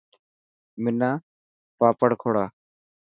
منا پاپڙ کوڙا.